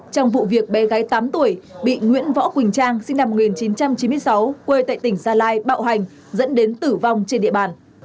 trong vụ việc bé gái tám tuổi bị nguyễn võ quỳnh trang sinh năm một nghìn chín trăm chín mươi sáu quê tại tỉnh gia lai bạo hành dẫn đến tử vong trên địa bàn